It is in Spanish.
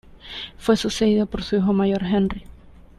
Fue sucedido por su hijo mayor, Henry.